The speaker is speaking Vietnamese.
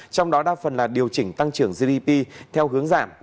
trong đó đa phần là điều chỉnh tăng trưởng gdp theo hướng giảm